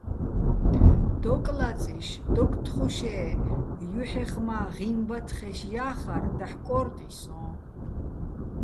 დოკ ლაწიშ, დოკთუშე́ ჲუჰ̦ეხ მა́ ღიმ ბათხეშ ჲა́ხარ დაჰ̦ კო́რტი სო́ჼ.